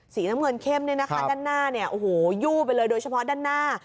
สีน้ำเงินเข้มเนี่ยนะคะด้านหน้าเนี่ยโอ้โหยู่ไปเลยโดยเฉพาะด้านหน้า